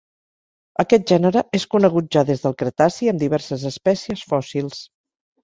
Aquest gènere és conegut ja des del Cretaci amb diverses espècies fòssils.